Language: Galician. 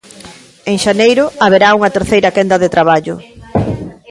En xaneiro haberá unha terceira quenda de traballo.